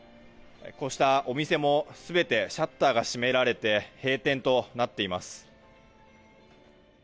こうしたお店も全てシャッターが閉められて閉店となっています。